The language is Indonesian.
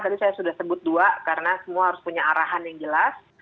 tadi saya sudah sebut dua karena semua harus punya arahan yang jelas